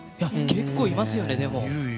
結構、いますよね。